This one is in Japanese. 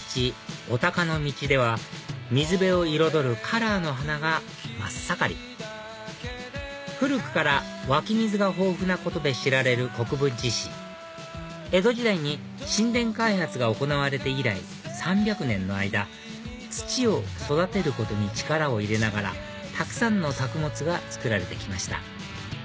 お鷹の道では水辺を彩るカラーの花が真っ盛り古くから湧き水が豊富なことで知られる国分寺市江戸時代に新田開発が行われて以来３００年の間土を育てることに力を入れながらたくさんの作物が作られてきました